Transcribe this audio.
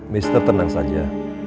mister tenang saja